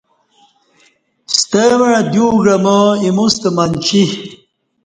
ستمع دیو ا گعاماں ایموستہ منچی